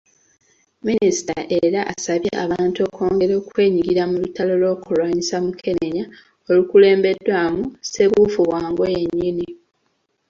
Minisita era asabye abantu okwongera okwenyigira mu lutalo lw'okulwanyisa Mukenenya olukulembeddwamu Ssebuufubwango yennyini.